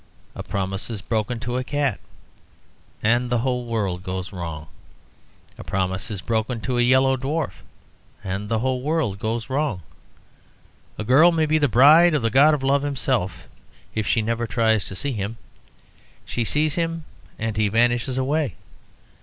A promise is broken to a cat, and the whole world goes wrong. A promise is broken to a yellow dwarf, and the whole world goes wrong. A girl may be the bride of the God of Love himself if she never tries to see him; she sees him, and he vanishes away.